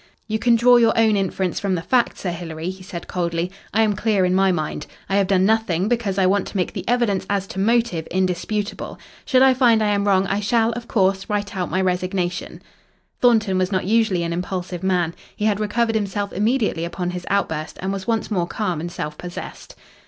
"You can draw your own inference from the facts, Sir Hilary," he said coldly. "I am clear in my mind. I have done nothing, because I want to make the evidence as to motive indisputable. Should I find I am wrong I shall, of course, write out my resignation." Thornton was not usually an impulsive man. He had recovered himself immediately upon his outburst and was once more calm and self possessed.